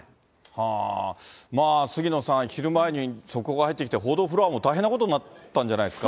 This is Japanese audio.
杉野さん、昼前に速報が入ってきて、報道フロアは大変なことになったんじゃないですか。